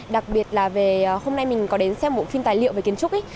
đặc biệt là hôm nay mình có đến xem một bộ phim tài liệu về kiến trúc